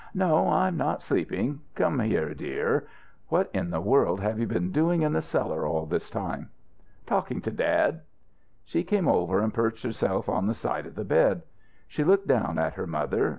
"No, I'm not sleeping. Come here, dear. What in the world have you been doing in the cellar all this time?" "Talking to dad." She came over and perched herself on the side of the bed. She looked down at her mother.